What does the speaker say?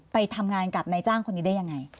ไปทำงานกับในจ้างคนนี้ได้อย่างไร